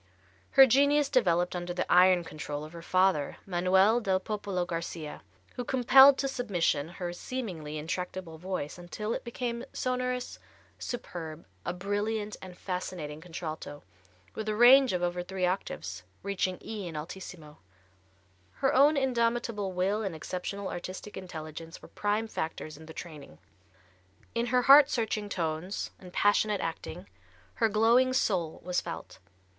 Her genius developed under the iron control of her father, Manuel del Popolo Garcia, who compelled to submission her seemingly intractable voice until it became sonorous, superb, a brilliant and fascinating contralto, with a range of over three octaves, reaching E in alt. Her own indomitable will and exceptional artistic intelligence were prime factors in the training. In her heart searching tones and passionate acting her glowing soul was felt.